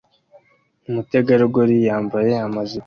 Umutegarugori yambaye amajipo